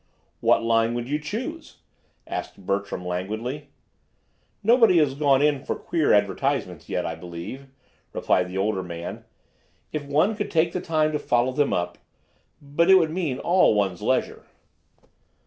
"What line would you choose?" asked Bertram languidly. "Nobody has gone in for queer advertisements yet, I believe," replied the older man. "If one could take the time to follow them up— but it would mean all one's leisure."